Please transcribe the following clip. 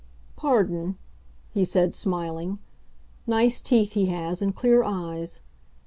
"Pardon," he said, smiling; nice teeth he has and clear eyes.